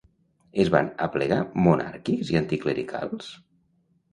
Es van aplegar monàrquics i anticlericals?